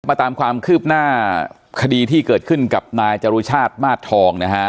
ตามความคืบหน้าคดีที่เกิดขึ้นกับนายจรุชาติมาสทองนะฮะ